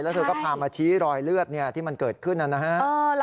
แล้วเธอก็พามาชี้รอยเลือดที่มันเกิดขึ้นนะฮะ